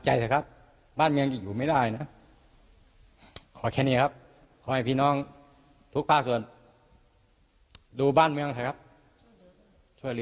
ช่วยเรือ